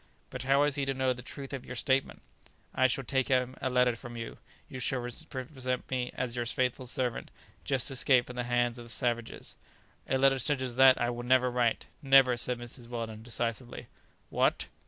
"But how is he to know the truth of your statement?" "I shall take him a letter from you. You shall represent me as your faithful servant, just escaped from the hands of savages." "A letter such as that I will never write; never," said Mrs. Weldon decisively. "What?